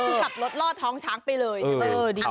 ก็คือขับรถรอดท้องช้างไปเลยใช่ป่ะ